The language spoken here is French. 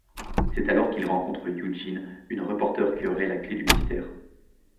C'est alors qu'il rencontre Yu-jin, une reporter qui aurait la clé du mystère...